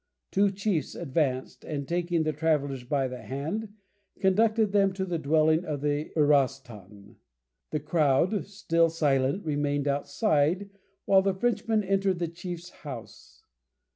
Two chiefs advanced, and taking the travellers by the hand, conducted them to the dwelling of the "Uross ton." The crowd, still silent, remained outside while the Frenchmen entered the chief's house.